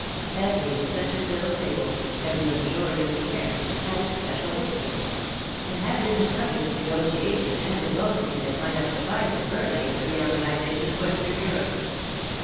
Every eccentric little table, every luxurious chair, had its special history, and had been the subject of negotiation and diplomacy that might have sufficed a Burleigh in the reorganization of Western Europe.